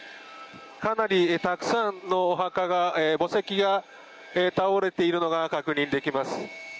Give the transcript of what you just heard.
かなりたくさんの墓石が倒れているのが確認できます。